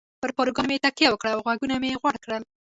پر پاروګانو مې تکیه وکړه او غوږونه مې غوړ کړل.